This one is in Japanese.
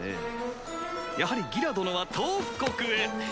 やはりギラ殿はトウフ国へ！